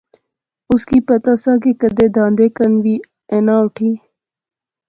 اس پتا سا کہ کیدے داندے کن وی اینا اٹھی